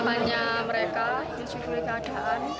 pemahamannya mereka disyukuri keadaan